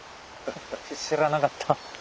知らなかった。